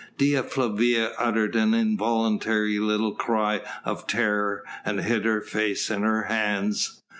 Dea Flavia uttered an involuntary little cry of terror, and hid her face in her hands.